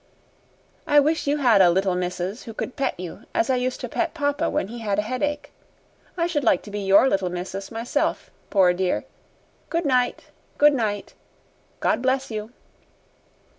"I wish you had a 'Little Missus' who could pet you as I used to pet papa when he had a headache. I should like to be your 'Little Missus' myself, poor dear! Good night good night. God bless you!"